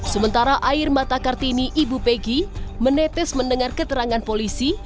sementara air mata kartini ibu peggy menetes mendengar keterangan polisi